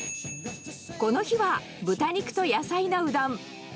この日は、豚肉と野菜のうどん。